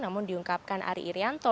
namun diungkapkan ari irianto